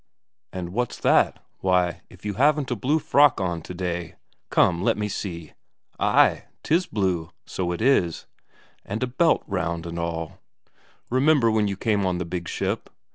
"And what's that why, if you haven't a blue frock on today come, let me see; ay, 'tis blue, so it is. And a belt round and all. Remember when you came on the big ship?